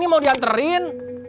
ini mau dianterin